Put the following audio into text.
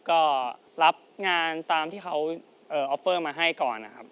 ก็รับงานตามที่เขาออฟเฟอร์มาให้ก่อนนะครับ